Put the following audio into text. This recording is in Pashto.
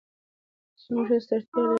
زموږ هڅو ته اړتیا لري.